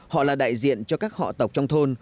họ là đại diện cho các họ tộc trong thôn